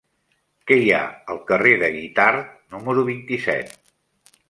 Què hi ha al carrer de Guitard número vint-i-set?